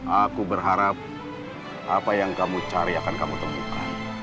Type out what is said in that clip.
aku berharap apa yang kamu cari akan kamu temukan